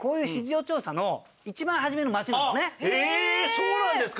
そうなんですか。